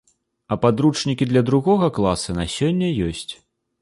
А падручнікі для другога класа на сёння ёсць.